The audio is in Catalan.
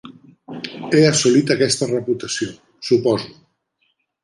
He assolit aquesta reputació, suposo.